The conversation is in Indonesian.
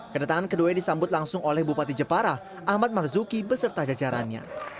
kedatangan keduanya disambut langsung oleh bupati jepara ahmad marzuki beserta jajarannya